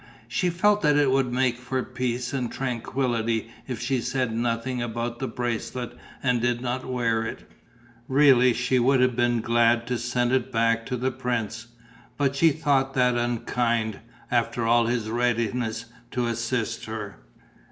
She felt that it would make for peace and tranquillity if she said nothing about the bracelet and did not wear it. Really she would have been glad to send it back to the prince. But she thought that unkind, after all his readiness to assist her.